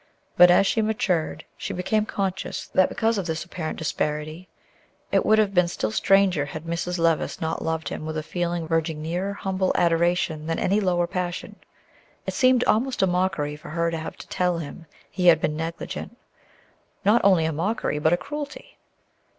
But as she matured, she became conscious that because of this apparent disparity it would have been still stranger had Mrs. Levice not loved him with a feeling verging nearer humble adoration than any lower passion. It seemed almost a mockery for her to have to tell him he had been negligent, not only a mockery, but a cruelty.